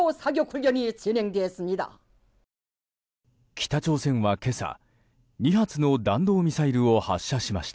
北朝鮮は今朝、２発の弾道ミサイルを発射しました。